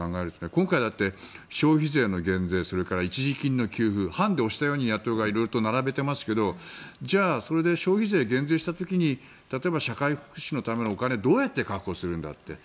今回だって消費税の減税それと一時金の支給判で押したように野党が色々並べていますけれどそれで消費税を減税した時に例えば、社会福祉のためのお金をどうやって確保するのかという。